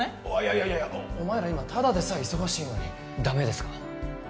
いやいやいやお前ら今ただでさえ忙しいのにダメですか？